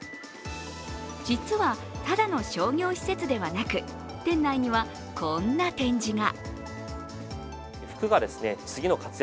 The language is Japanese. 実は、ただの商業施設ではなく店内にはこんな展示が。